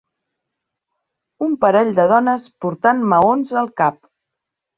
Un parell de dones portant maons al cap.